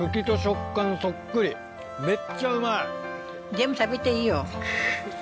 全部食べていいよ。